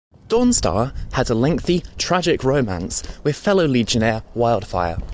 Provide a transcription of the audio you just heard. Dawnstar had a lengthy, tragic romance with fellow Legionnaire Wildfire.